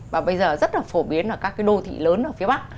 và bây giờ rất là phổ biến ở các cái đô thị lớn ở phía bắc